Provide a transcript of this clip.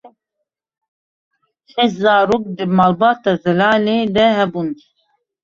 Şeş zarok di malbata Zelalê de hebûn.